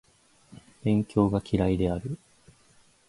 勉強が嫌いである